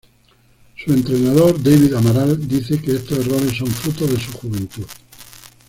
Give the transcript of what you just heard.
Su entrenador, David Amaral, dice que estos errores son fruto de su juventud.